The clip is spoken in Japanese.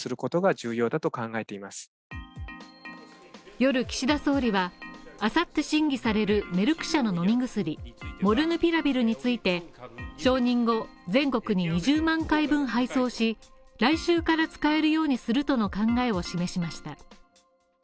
夜、岸田総理は明後日審議されるメルク社の飲み薬モルヌピラビルについて承認後、全国に２０万回分配送し、来週から使えるようにするとの考えを示しました。